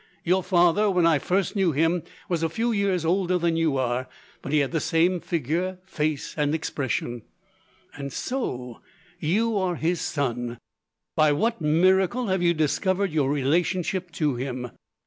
Your father, when I first knew him, was a few years older than you are; but he had the same figure, face, and expression. "And so, you are his son! By what miracle have you discovered your relationship to him?"